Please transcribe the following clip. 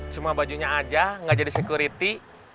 cuma bajunya aja gak jadi sekuriti